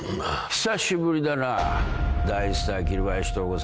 久しぶりだなぁ大スター桐林藤吾さん。